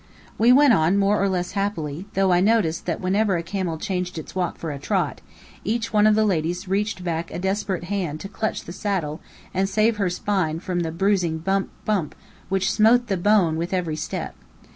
We went on more or less happily, though I noticed that whenever a camel changed its walk for a trot, each one of the ladies reached back a desperate hand to clutch the saddle and save her spine from the bruising bump! bump! which smote the bone with every step.